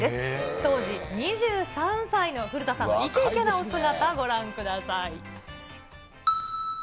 当時２３歳の古田さん、イケイケなお姿、ご覧ください。